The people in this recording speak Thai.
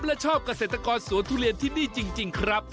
และชอบเกษตรกรสวนทุเรียนที่นี่จริงครับ